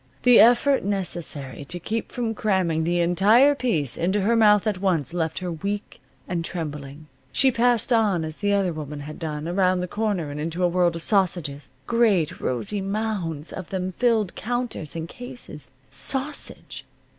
The effort necessary to keep from cramming the entire piece into her mouth at once left her weak and trembling. She passed on as the other woman had done, around the corner, and into a world of sausages. Great rosy mounds of them filled counters and cases. Sausage!